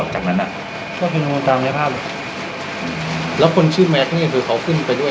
จากนั้นน่ะก็เหลือมูลตามภาพแล้วคนชื่อมากนี่คือเขาขึ้นไปด้วย